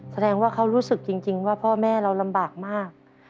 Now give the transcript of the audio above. แสดงว่าเขารู้สึกจริงว่าพ่อแม่เราลำบากมาก